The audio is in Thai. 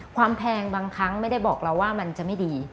แพงบางครั้งไม่ได้บอกเราว่ามันจะไม่ดี